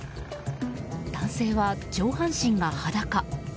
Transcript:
男性は上半身が裸。